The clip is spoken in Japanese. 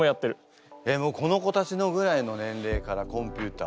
えっもうこの子たちぐらいの年齢からコンピューター？